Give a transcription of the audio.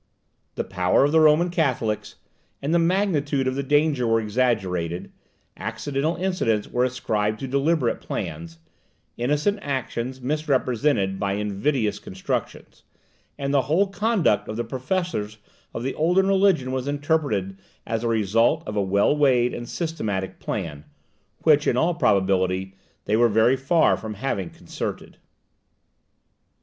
The power of the Roman Catholics and the magnitude of the danger were exaggerated, accidental incidents were ascribed to deliberate plans, innocent actions misrepresented by invidious constructions, and the whole conduct of the professors of the olden religion was interpreted as the result of a well weighed and systematic plan, which, in all probability, they were very far from having concerted.